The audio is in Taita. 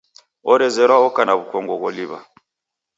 Orezerwa oka na w'ukongo gholiw'a?